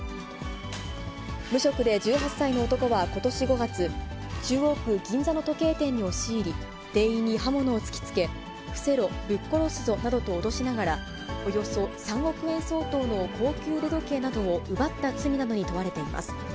無職で１８歳の男はことし５月、中央区銀座の時計店に押し入り、店員に刃物を突きつけ、伏せろ、ぶっ殺すぞなどと脅しながら、およそ３億円相当の高級腕時計などを奪った罪などに問われています。